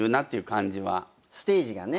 ステージがね。